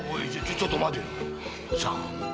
ちょっと待てよ。